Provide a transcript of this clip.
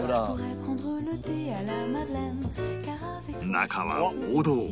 中は王道